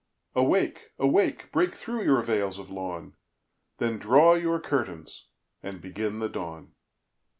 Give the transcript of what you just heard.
Awake, awake, break through your Vailes of Lawne! Then draw your Curtains, and begin the Dawne.